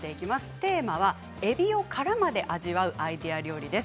テーマはえびを殻まで味わうアイデア料理です。